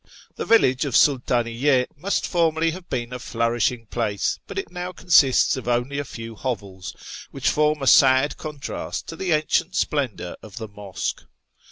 The village of Sultaniyy^ must formerly have been a flourishing place, but it now consists of only a few hovels, which form a sad contrast to the ancient splendour of the mosque.